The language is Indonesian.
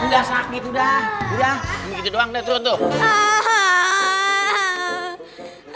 udah sakit udah